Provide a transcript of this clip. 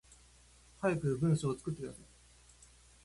早く文章作ってください